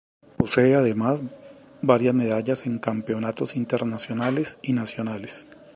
Posee además varias medallas en campeonatos internacionales y nacionales.